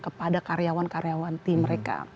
kepada karyawan karyawan tim mereka